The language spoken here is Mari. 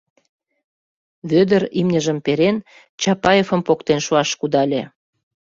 Вӧдыр, имньыжым перен, Чапаевым поктен шуаш кудале.